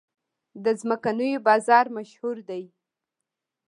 د څمکنیو بازار مشهور دی